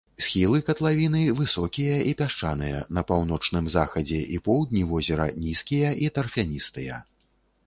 Схілы катлавіны высокія і пясчаныя, на паўночным захадзе і поўдні возера нізкія і тарфяністыя.